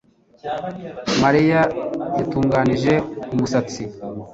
Mariya yatunganije umusatsi